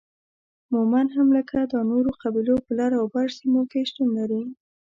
مومند هم لکه دا نورو قبيلو په لر او بر سیمو کې شتون لري